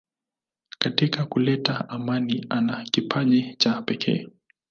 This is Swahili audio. Katika kuleta amani ana kipaji cha pekee.